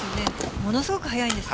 ものすごく速いです。